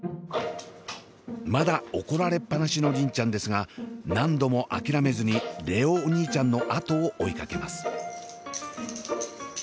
まだ怒られっ放しの梨鈴ちゃんですが何度も諦めずに蓮音お兄ちゃんのあとを追いかけます。